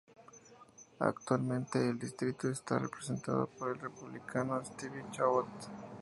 Actualmente el distrito está representado por el Republicano Steve Chabot.